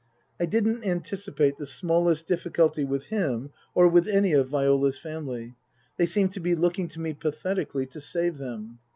I didn't anticipate the smallest difficulty with him or with any of Viola's family. They seemed to be looking to me pathetically to save them.